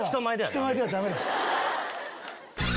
人前ではダメなんだ。